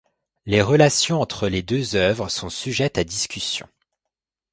Les relations entre les deux œuvres sont sujettes à discussion.